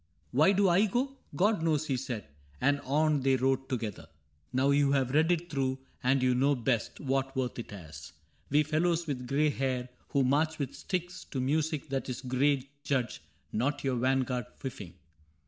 *—* tVhy do Igo?. .. God knows^ he said; And on they rode together. " Now you have read it through, and you know best What worth it has. We fellows with gray hair Who march with sticks to music that is gray Judge not your vanguard fifing.